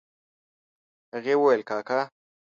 هغې وويل کاکا.